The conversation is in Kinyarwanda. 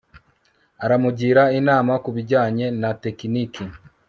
Aramugira inama kubijyanye na tekiniki